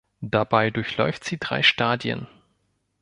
Dabei durchläuft sie drei Stadien.